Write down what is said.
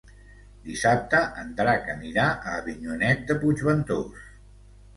Dissabte en Drac anirà a Avinyonet de Puigventós.